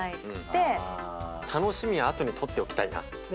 楽しみはあとに取っておきたいなって。